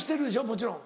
もちろん。